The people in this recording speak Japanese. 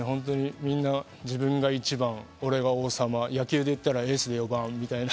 みんな自分が一番、俺が王様、野球で言ったらエースで４番みたいな。